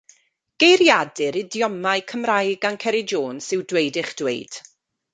Geiriadur idiomau Cymraeg gan Ceri Jones yw Dweud eich Dweud.